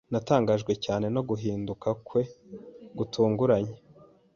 Natangajwe cyane no guhinduka kwe gutunguranye.